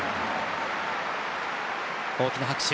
大きな拍手。